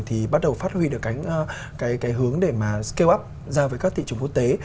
thì bắt đầu phát huy được cái hướng để mà scale up ra với các thị trường quốc tế